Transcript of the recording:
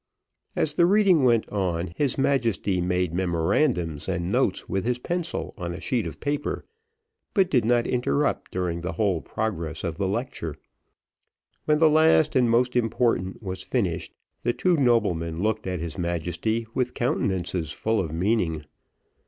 As the reading went on, his Majesty made memorandums and notes with his pencil on a sheet of paper, but did not interrupt during the whole progress of the lecture. When the last and most important was finished, the two noblemen looked at his Majesty with countenances full of meaning.